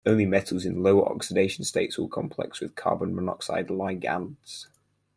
Only metals in lower oxidation states will complex with carbon monoxide ligands.